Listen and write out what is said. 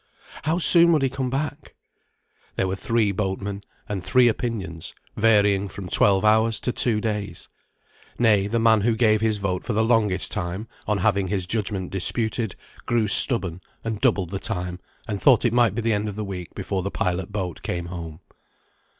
"How soon would he come back?" There were three boatmen, and three opinions, varying from twelve hours to two days. Nay, the man who gave his vote for the longest time, on having his judgment disputed, grew stubborn, and doubled the time, and thought it might be the end of the week before the pilot boat came home.